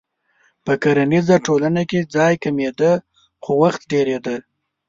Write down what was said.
په کرنیزه ټولنه کې ځای کمېده خو وخت ډېرېده.